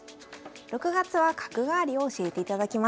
６月は角換わりを教えていただきました。